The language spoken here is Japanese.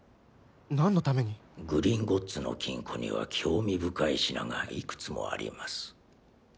何のためにグリンゴッツの金庫には興味深い品がいくつもあります